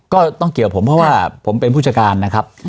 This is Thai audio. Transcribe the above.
ก็ต้องเกี่ยวผมเพราะว่าผมเป็นผู้จัดการนะครับ